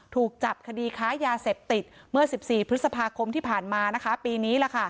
ถูกจับคดีค้ายาเสพติดเมื่อ๑๔พฤษภาคมที่ผ่านมาปีนี้